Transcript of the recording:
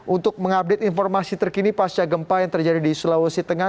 untuk mengupdate informasi terkini pasca gempa yang terjadi di sulawesi tengah